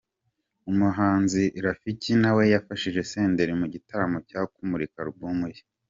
Umuhanzi Rafiki nawe yafashije Senderi mu gitaramo cyo kumurika album ye.